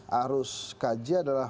harus kaji adalah